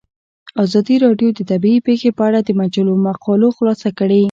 ازادي راډیو د طبیعي پېښې په اړه د مجلو مقالو خلاصه کړې.